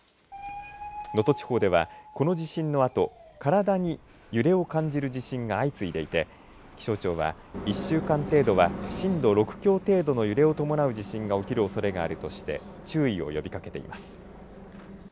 能登地方では、この地震のあと体に揺れを感じる地震が相次いでいて気象庁は１週間程度は震度６強程度の揺れを伴う地震が起きるおそれがあるとして注意を呼びかけています。